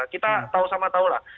kita tau sama taulah